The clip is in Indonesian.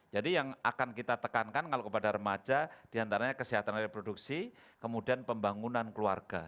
jadi yang akan kita tekankan kalau kepada remaja diantaranya kesehatan reproduksi kemudian pembangunan keluarga